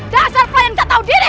dasar pelayan ketau diri